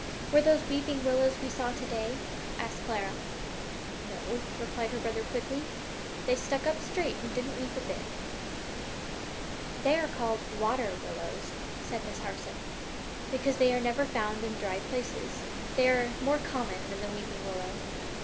'" "Were those weeping willows that we saw to day?" asked Clara. "No," replied her brother, quickly; "they just stuck up straight and didn't weep a bit." "They are called water willows," said Miss Harson, "because they are never found in dry places. They are more common than the weeping willow.